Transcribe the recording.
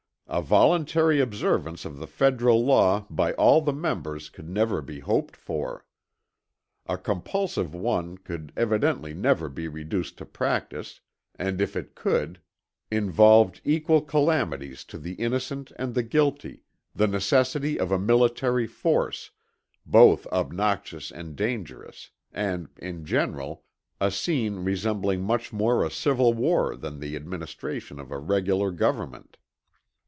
A voluntary observance of the federal law by all the members could never be hoped for. A compulsive one could evidently never be reduced to practice, and if it could, involved equal calamities to the innocent and the guilty, the necessity of a military force, both obnoxious and dangerous, and, in general, a scene resembling much more a civil war than the administration of a regular government.